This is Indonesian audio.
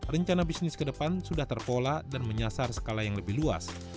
rencana bisnis ke depan sudah terpola dan menyasar skala yang lebih luas